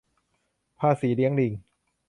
ฤๅษีเลี้ยงลิง